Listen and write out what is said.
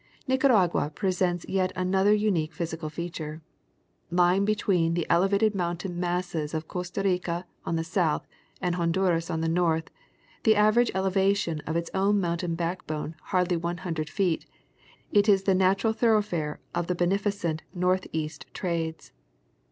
Nicaragua presents yet another unique physical feature. Lying between the elevated mountain masses of Costa Rica on the south and Honduras on the north, the average eleva tion of its own mountain backbone hardly one thousand feet, it is the natural thoroughfare of the beneficent northeast Trades.